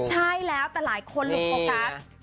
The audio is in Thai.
ใช่แล้วแต่หลายคนหลุดโฟกัส